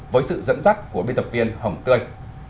với sự dẫn dắt của biên tập viên hồng tươi